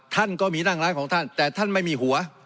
ท่านก็มีนั่งร้ายของท่านแต่ท่านไม่มีหัว